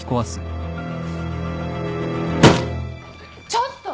ちょっと。